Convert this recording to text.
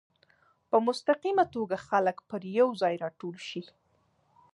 په مستقیمه توګه خلک پر یو ځای راټول شي.